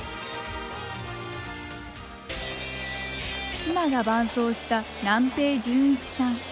妻が伴走した南平純一さん。